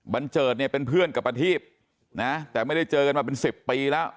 เจิดเนี่ยเป็นเพื่อนกับประทีพนะแต่ไม่ได้เจอกันมาเป็น๑๐ปีแล้ว